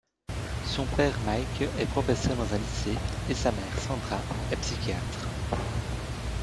Son père Mike est professeur dans un lycée et sa mère, Sandra, est psychiatre.